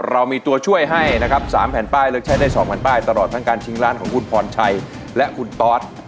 เรามีตัวช่วยให้นะครับ๓แผ่นป้ายเลือกใช้ได้๒แผ่นป้ายตลอดทั้งการชิงล้านของคุณพรชัยและคุณตอส